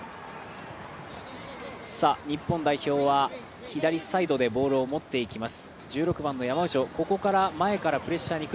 日本代表は左サイドでボールを持っていきます。